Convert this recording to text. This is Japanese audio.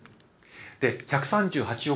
で１３８億